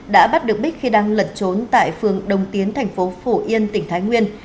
đã bắt được bích khi đang lật trốn tại phường đông tiến tp phổ yên tỉnh thái nguyên